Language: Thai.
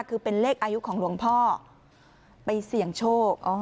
คือเป็นเลขอายุของหลวงพ่อไปเสี่ยงโชค